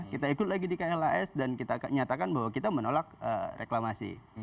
kita ikut lagi di klhs dan kita nyatakan bahwa kita menolak reklamasi